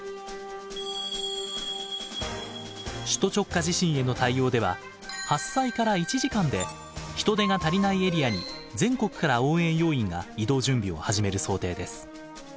首都直下地震への対応では発災から１時間で人手が足りないエリアに全国から応援要員が移動準備を始める想定です。